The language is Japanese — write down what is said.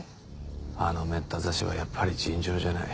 あのメッタ刺しはやっぱり尋常じゃない。